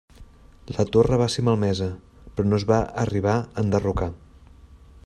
La torre va ser malmesa, però no es va arribar a enderrocar.